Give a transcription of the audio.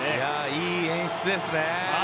いい演出ですね。